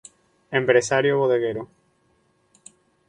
Empresario bodeguero.